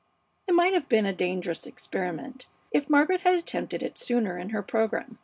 It might have been a dangerous experiment if Margaret had attempted it sooner in her program.